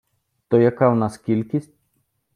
То яка в нас кількість?